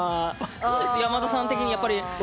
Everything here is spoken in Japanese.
山田さん的に。